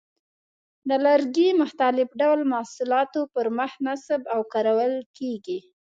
د لرګي مختلف ډول محصولاتو پر مخ نصب او کارول کېږي.